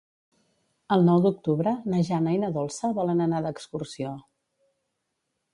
El nou d'octubre na Jana i na Dolça volen anar d'excursió.